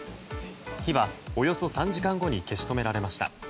火はおよそ３時間後に消し止められました。